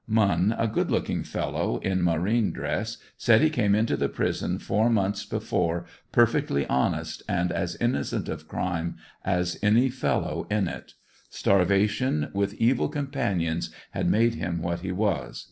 Munn, a good looking fellow in marine dress, said he came into the prison four months before perfectly honest, and as innocent of crime as any fellow in it Starvation, with evil companions, had made him what he was.